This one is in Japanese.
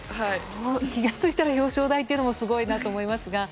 気が付いたら表彰台というのもすごいと思いますが。